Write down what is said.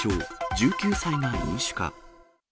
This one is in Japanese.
１９歳が飲酒か。